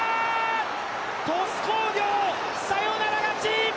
鳥栖工業サヨナラ勝ち！